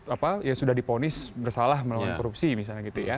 apa ya sudah diponis bersalah melawan korupsi misalnya gitu ya